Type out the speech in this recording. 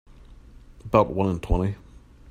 About one in twenty.